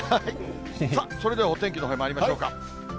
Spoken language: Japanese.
さあ、それではお天気のほうへまいりましょうか。